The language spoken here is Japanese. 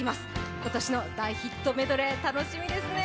今年の大ヒットメドレー、楽しみですね。